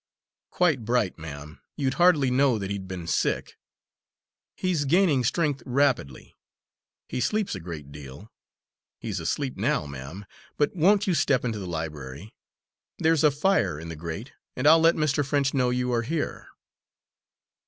"Quite bright, ma'am, you'd hardly know that he'd been sick. He's gaining strength rapidly; he sleeps a great deal; he's asleep now, ma'am. But, won't you step into the library? There's a fire in the grate, and I'll let Mr. French know you are here."